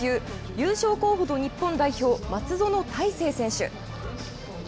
優勝候補の日本代表松園大成選手。